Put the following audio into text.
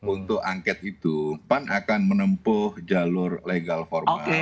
untuk angket itu pan akan menempuh jalur legal formal